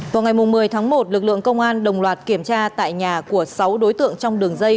vào ngày một mươi tháng một lực lượng công an đồng loạt kiểm tra tại nhà của sáu đối tượng trong đường dây